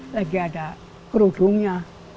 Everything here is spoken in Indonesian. lagi ada kerudungnya